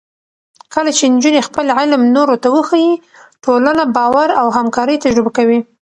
کله چې نجونې خپل علم نورو ته وښيي، ټولنه باور او همکارۍ تجربه کوي.